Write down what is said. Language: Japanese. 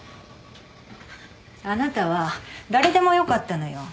あなたは誰でもよかったのよ。